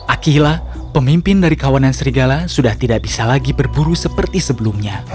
akilah pemimpin dari kawanan serigala sudah tidak bisa lagi berburu seperti sebelumnya